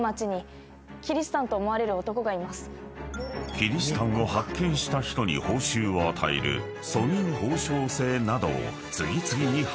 ［キリシタンを発見した人に報酬を与える訴人褒賞制などを次々に発令］